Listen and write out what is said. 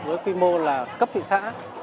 với quy mô là cấp thị xã